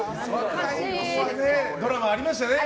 ドラマ、ありましたね。